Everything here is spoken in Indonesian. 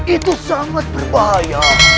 itu sangat berbahaya